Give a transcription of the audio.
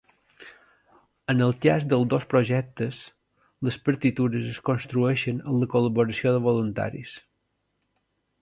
En el cas dels dos projectes, les partitures es construeixen amb la col·laboració de voluntaris.